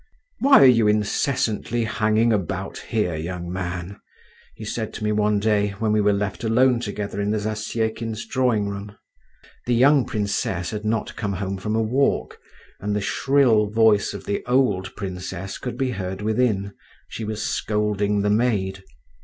"Why are you incessantly hanging about here, young man?" he said to me one day, when we were left alone together in the Zasyekins' drawing room. (The young princess had not come home from a walk, and the shrill voice of the old princess could be heard within; she was scolding the maid.)